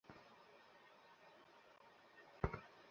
আপনাকে আর আমাদের দরকার নেই।